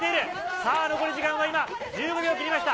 さあ、残り時間は今、１５秒を切りました。